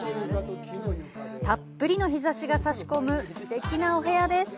たっぷりの日差しが差し込むすてきなお部屋です。